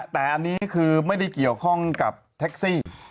แต่อันนี้คือไม่ได้เกี่ยวข้องกับแท็กซี่